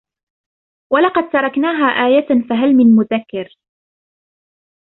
وَلَقَدْ تَرَكْنَاهَا آيَةً فَهَلْ مِنْ مُدَّكِرٍ